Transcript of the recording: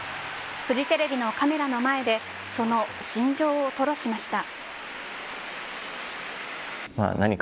フジテレビのカメラの前でその心情を吐露しました。